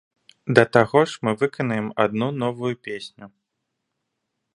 Да таго ж мы выканаем адну новую песню.